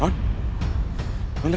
tuhan itu bertuah